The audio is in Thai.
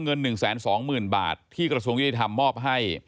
เงิน๑๒๐๐๐บาทที่กระทรวงยุติธรรมมอบให้